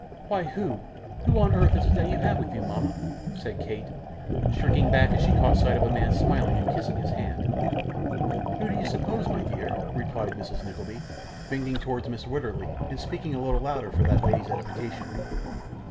'Why who who on earth is that you have with you, mama?' said Kate, shrinking back as she caught sight of a man smiling and kissing his hand. 'Who do you suppose, my dear?' replied Mrs. Nickleby, bending towards Mrs Wititterly, and speaking a little louder for that lady's edification.